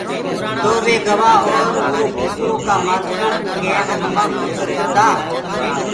تو وي گوآ اور اُرو ڪٚڪَرو ڪآ مآلکو ڪوُ ڪين همآ ڪوٚ ڪٚڪَر دآ۔